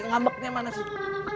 ngambeknya mana sih